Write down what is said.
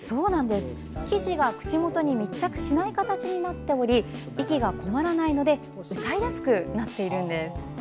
生地が口元に密着しない形になっており息がこもらないので歌いやすくなっているんです。